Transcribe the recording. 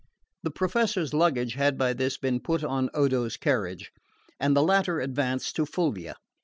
The Professor's luggage had by this been put on Odo's carriage, and the latter advanced to Fulvia.